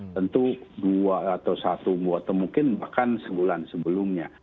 tentu dua atau satu atau mungkin bahkan sebulan sebelumnya